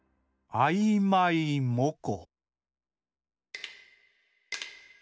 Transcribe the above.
「あいまいもこ」。